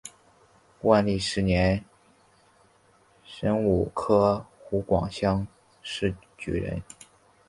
万历十年壬午科湖广乡试举人。